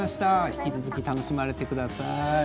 引き続き楽しまれてください。